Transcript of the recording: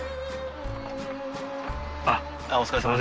お疲れさまです。